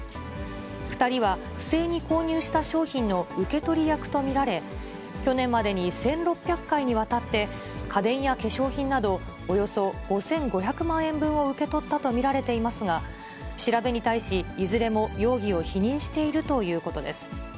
２人は不正に購入した商品の受け取り役と見られ、去年までに１６００回にわたって家電や化粧品などおよそ５５００万円分を受け取ったと見られていますが、調べに対し、いずれも容疑を否認しているということです。